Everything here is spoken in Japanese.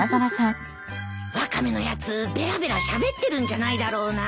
ワカメのやつべらべらしゃべってるんじゃないだろうな。